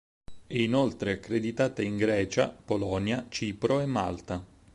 È inoltre accreditata in Grecia, Polonia, Cipro e Malta.